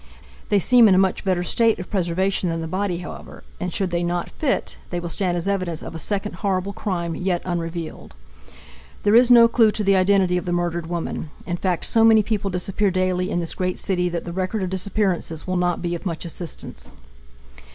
They seem in a much better state of preservation than the body, however, and, should they not fit, they will stand as evidence of a second horrible crime yet unrevealed. There is no clue to the identity of the murdered woman; in fact so many people disappear daily in this great city that the record of disappearances will not be of much assistance.